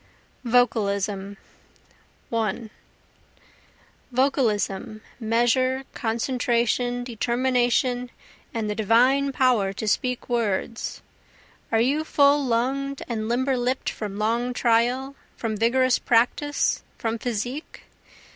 Vocalism 1 Vocalism, measure, concentration, determination, and the divine power to speak words; Are you full lung'd and limber lipp'd from long trial? from vigorous practice? from physique?